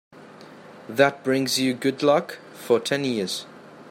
That brings you good luck for ten years.